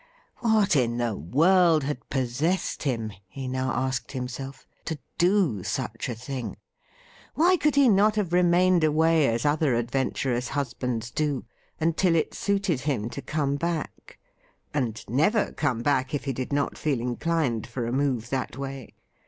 What in the world had possessed him, he now asked himself, to do such a thing ? Why could he not have remained away as other adventurous husbands do, until it suited him to come back — and never come back if he did not feel inclined for a move that way